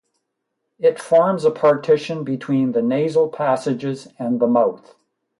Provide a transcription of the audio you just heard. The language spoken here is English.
It forms a partition between the nasal passages and the mouth.